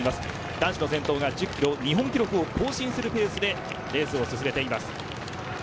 男子先頭が日本記録を更新するペースでレースを進めています。